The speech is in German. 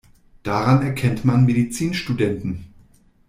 Daran erkennt man Medizinstudenten.